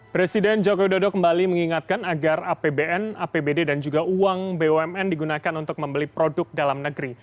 presiden jokowi dodo kembali mengingatkan agar apbn apbd dan juga uang bumn digunakan untuk membeli produk dalam negeri